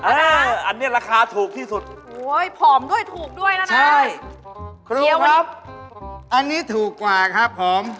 เอาไว้กระโดดแล้วประดับ